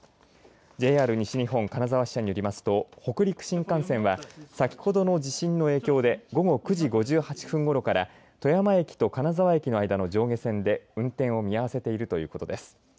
ＪＲ西日本金沢支社によりますと北陸新幹線は先ほどの地震の影響で午後９時５８分ごろから富山駅と金沢駅の上下線で運転を見合わせているということです。